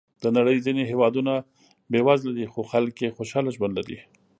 د نړۍ ځینې هېوادونه بېوزله دي، خو خلک یې خوشحاله ژوند لري.